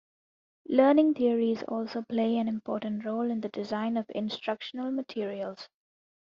Learning theories also play an important role in the design of instructional materials.